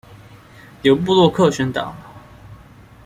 由部落客宣導